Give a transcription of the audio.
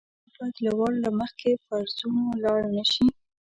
څېړونکی باید له وار له مخکې فرضونو لاړ نه شي.